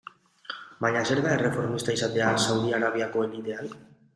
Baina zer da erreformista izatea Saudi Arabiako elitean?